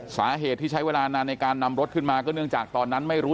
สาเหตุที่ใช้เวลานานในการนำรถขึ้นมาก็เนื่องจากตอนนั้นไม่รู้